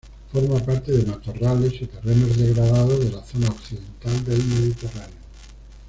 Forma parte de matorrales y terrenos degradados de la zona occidental del mediterráneo.